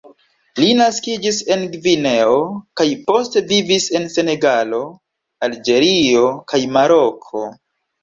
Li naskiĝis en Gvineo kaj poste vivis en Senegalo, Alĝerio kaj Maroko.